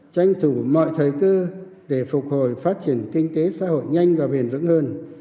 tranh thủ mọi thời cơ để phục hồi phát triển kinh tế xã hội nhanh và bền vững hơn